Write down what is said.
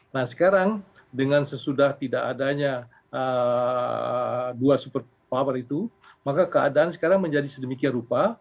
nah sekarang dengan sesudah tidak adanya dua super power itu maka keadaan sekarang menjadi sedemikian rupa